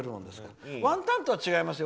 ワンタンとは違いますよ。